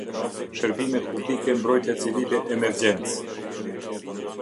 Sherbimet Publike Mbrojtja Civile Emergjenc.